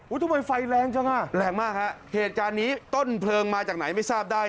ทำไมไฟแรงจังอ่ะแรงมากฮะเหตุการณ์นี้ต้นเพลิงมาจากไหนไม่ทราบได้